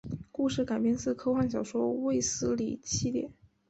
故事改编自科幻小说卫斯理系列。